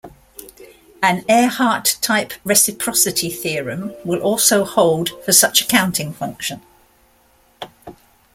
An Ehrhart-type reciprocity theorem will also hold for such a counting function.